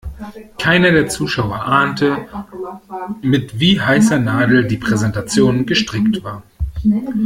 Keiner der Zuschauer ahnte, mit wie heißer Nadel die Präsentation gestrickt war.